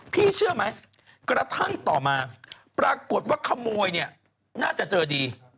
เชื่อไหมกระทั่งต่อมาปรากฏว่าขโมยเนี่ยน่าจะเจอดี